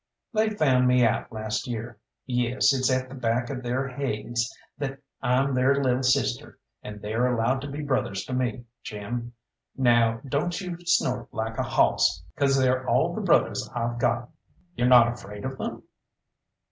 "They found me out last year. Yes, it's at the back of their haids that I'm their lil sister, and they're allowed to be brothers to me, Jim. Now don't you snort like a hawss, 'cause they're all the brothers I've got." "You're not afraid of them?"